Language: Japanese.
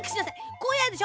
こうやるでしょ。